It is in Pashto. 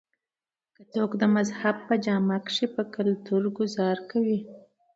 کۀ څوک د مذهب پۀ جامه کښې پۀ کلتور ګذار کوي